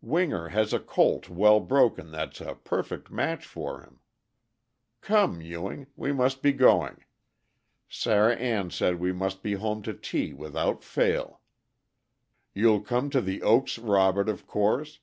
Winger has a colt well broken that's a perfect match for him. Come, Ewing, we must be going. Sarah Ann said we must be home to tea without fail. You'll come to The Oaks, Robert, of course.